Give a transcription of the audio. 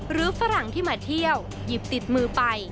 ฝรั่งที่มาเที่ยวหยิบติดมือไป